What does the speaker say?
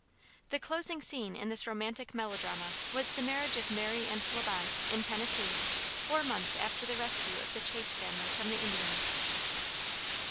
The closing scene in this romantic melodrama was the marriage of Mary and La Bonte, in Tennessee, four months after the rescue of the Chase family from the Indians.